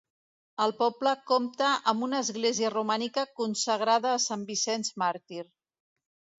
El poble compta amb una església romànica consagrada a Sant Vicent Màrtir.